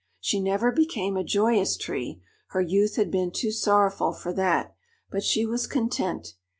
She never became a joyous tree her youth had been too sorrowful for that but she was content.